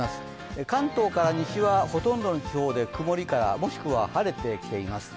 関東から西はほとんどの地方で曇りからもしくは晴れてきています。